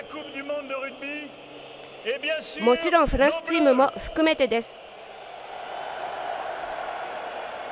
もちろんフランスチームも含めてです。